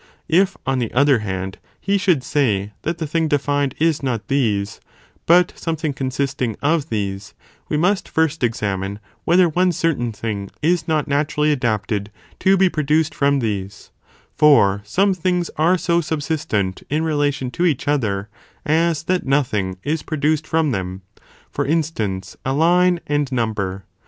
ΠΕΡΕΕΎΝ If, on the other hand, he should say that the make one πο: thing defined is not these, but something consist posed ofinany ing of these, we must first examine whether one parts ("hoc ex certain thing, is not naturally adapted to be pro meee duced from these, for some things are so subsist ent in relation to each other, as that nothing is produced from . them, for instance, a line and number.